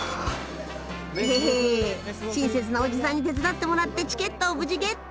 ヘヘ親切なおじさんに手伝ってもらってチケットを無事ゲット！